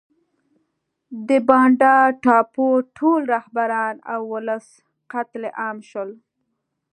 د بانډا ټاپو ټول رهبران او ولس قتل عام شول.